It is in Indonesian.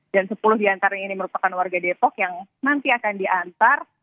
dan sepuluh diantar ini merupakan warga depok yang nanti akan diantar